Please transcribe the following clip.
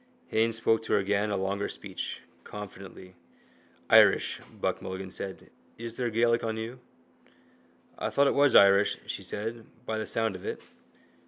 Haines spoke to her again a longer speech, confidently. —Irish, Buck Mulligan said. Is there Gaelic on you? —I thought it was Irish, she said, by the sound of it.